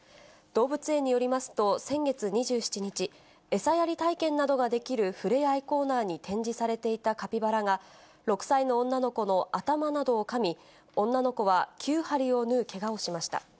動物園によりますと、先月２７日、餌やり体験などができるふれあいコーナーに展示されていたカピバラが、６歳の女の子の頭などをかみ、女の子は９針を縫うけがをしました。